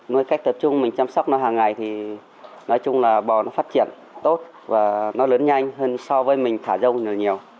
nuôi cách tập trung mình chăm sóc nó hàng ngày thì nói chung là bò nó phát triển tốt và nó lớn nhanh hơn so với mình thả rông nhiều